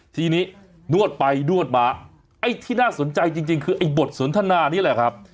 ทีนี้นวดไปนวดมาไอ้ที่น่าสนใจจริงคือไอ้บทสนทนานี่แหละครับ